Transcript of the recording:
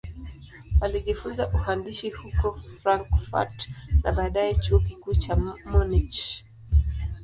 Alijifunza uhandisi huko Frankfurt na baadaye Chuo Kikuu cha Munich.